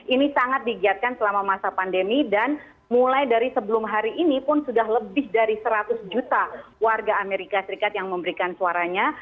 ini sangat digiatkan selama masa pandemi dan mulai dari sebelum hari ini pun sudah lebih dari seratus juta warga amerika serikat yang memberikan suaranya